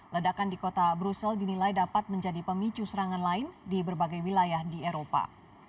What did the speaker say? ledakan di kota brussel dinilai dapat menjadi pemicu serangan lain di berbagai wilayah di eropa